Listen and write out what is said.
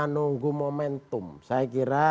nunggu momentum saya kira